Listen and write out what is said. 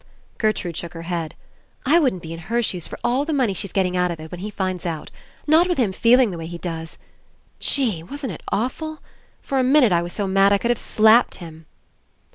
Gertrude shook her head. "I wouldn't 76 ENCOUNTER be in her shoes for all the money she's getting out of it, when he finds out. Not with him feel ing the way he does. Gee! Wasn't it awful? For a minute I was so mad I could have slapped him."